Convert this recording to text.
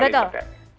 itu yang paling penting